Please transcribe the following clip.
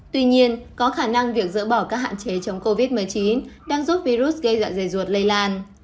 tuy nhiên có khả năng việc dỡ bỏ các hạn chế chống covid một mươi chín đang giúp virus gây dạ dày ruột lây lan